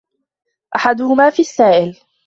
أَحَدُهُمَا فِي السَّائِلِ